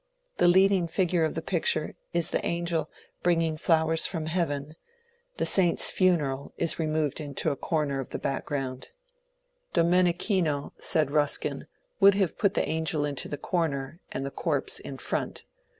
The leading fig ure of the picture is the angel bringing flowers from heaven ; the saint's funeral is removed into a comer of the back 120 MONCURE DANIEL CONWAY ground. Domenichino, said Buskin, would have put the angel into the comer, and the corpse in front.